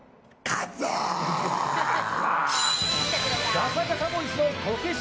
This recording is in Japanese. ガサガサボイスのこけし